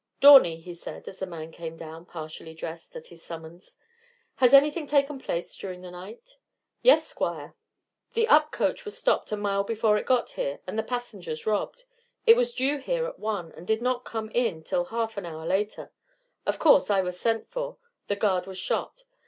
"Dawney," he said, as the man came down, partially dressed, at his summons, "has anything taken place during the night?" "Yes, Squire, the up coach was stopped a mile before it got here, and the passengers robbed. It was due here at one, and did not come in till half an hour later. Of course I was sent for. The guard was shot.